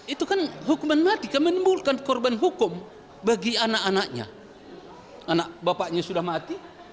itu kan hukuman mati menimbulkan korban hukum bagi anak anaknya anak bapaknya sudah mati